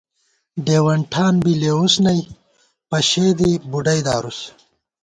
ڈېوَن ٹھان بی لېوُس نئ پشېدی بُڈئی دارُس